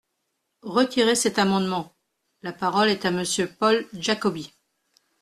Retirez cet amendement ! La parole est à Monsieur Paul Giacobbi.